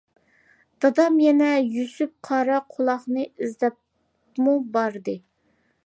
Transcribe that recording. دادام يەنە يۈسۈپ قارا قۇلاقنى ئىزدەپمۇ باردى.